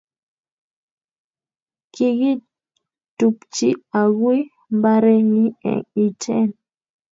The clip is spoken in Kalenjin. Kigitupchi agui mbarenyi eng Iten